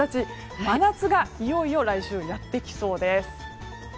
真夏が、いよいよ来週やってきそうです。